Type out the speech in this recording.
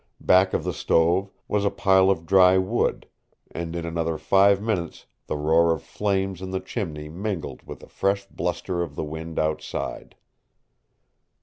Back of the stove was a pile of dry wood, and in another five minutes the roar of flames in the chimney mingled with a fresh bluster of the wind outside.